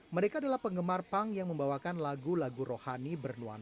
mereka adalah penggemar punk yang membawakan lagu lagu rohani bernuan